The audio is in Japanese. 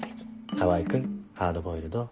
川合君ハードボイルド。